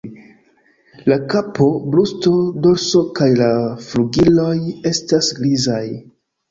La kapo, brusto, dorso kaj la flugiloj estas grizaj.